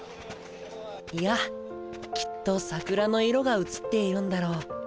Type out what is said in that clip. いやきっと桜の色が映っているんだろう。